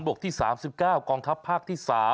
กที่๓๙กองทัพภาคที่๓